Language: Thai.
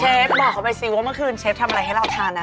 บอกเขาไปซิว่าเมื่อคืนเชฟทำอะไรให้เราทานนะ